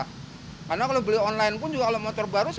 karena kalau beli online pun juga kalau motor baru